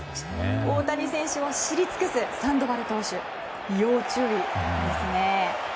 大谷選手を知り尽くすサンドバル投手、要注意ですね。